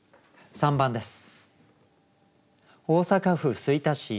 ３番です。